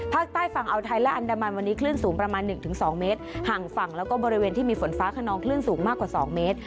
ภาคใต้ฝั่งอาวไทยและอันดามันวันนี้คลื่นสูงประมาณหนึ่งถึงสองเมตรห่างฝั่งแล้วก็บริเวณที่มีฝนฟ้าขนองคลื่นสูงมากกว่า๒เมตร